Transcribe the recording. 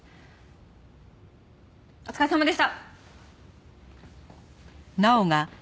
お疲れさまでした！